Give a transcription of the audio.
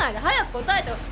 早く答えて。